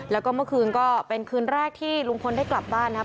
แล้วก็เมื่อคืนก็เป็นคืนแรกที่ลุงพลได้กลับบ้านนะครับ